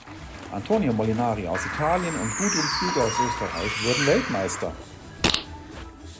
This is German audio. Antonio Molinari aus Italien und Gudrun Pflüger aus Österreich wurden Weltmeister.